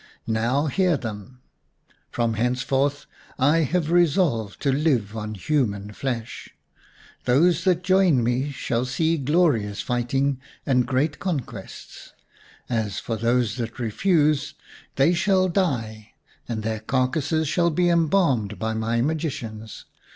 " Now, hear them ! From henceforth I have resolved to live on human flesh. Those that join me shall see glorious fighting and great conquests. As for those that refuse, they shall die, and their carcases shall be embalmed by my magicians.